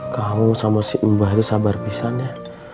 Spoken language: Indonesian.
kamu sama si mbah itu sabar pisan ya